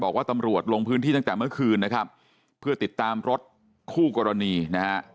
บอกว่าตำรวจลงพื้นที่ตั้งแต่เมื่อคืนนะครับเพื่อติดตามรถคู่กรณีนะฮะ